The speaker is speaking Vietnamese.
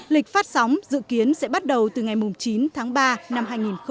lịch phát sóng dự kiến sẽ bắt đầu từ ngày chín tháng ba năm hai nghìn hai mươi